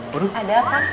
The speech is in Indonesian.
waduh ada apa